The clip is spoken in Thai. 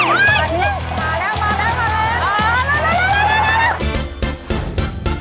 มาแล้ว